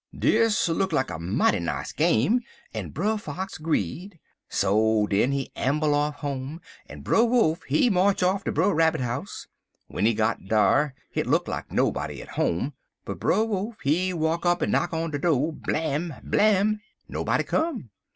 "Dis look like mighty nice game, en Brer Fox 'greed. So den he amble off home, en Brer Wolf, he march off ter Brer Rabbit house. W'en he got dar, hit look like nobody at home, but Brer Wolf he walk up en knock on de do' blam! blam! Nobody come.